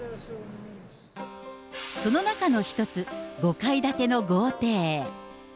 その中の一つ、５階建ての豪邸。